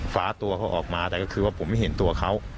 ฟ้าตัวเขาออกมาแต่ก็คือว่าผมไม่เห็นตัวเขา